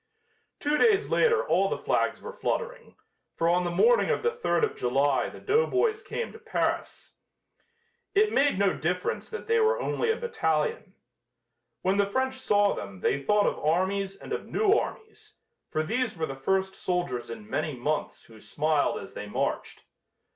Two days later all the flags were fluttering, for on the morning of the third of July the doughboys came to Paris. It made no difference that they were only a battalion. When the French saw them they thought of armies and of new armies, for these were the first soldiers in many months who smiled as they marched.